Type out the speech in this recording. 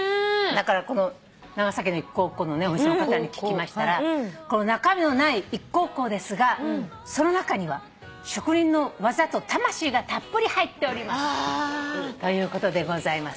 だからこの長崎の一口香のお店の方に聞きましたら「中身のない一口香ですがその中には職人の技と魂がたっぷり入っております」ということでございます。